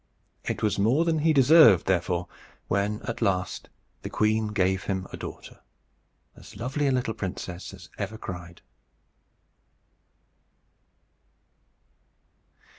It was more than he deserved, therefore, when, at last, the queen gave him a daughter as lovely a little princess as ever cried.